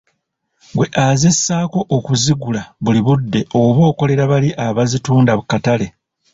Ggwe azessaako okuzigula buli budde oba okolera bali abazitunda katale.